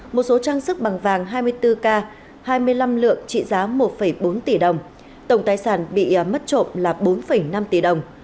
một số trang sức bằng vàng hai mươi bốn k hai mươi năm lượng trị giá một bốn tỷ đồng tổng tài sản bị mất trộm là bốn năm tỷ đồng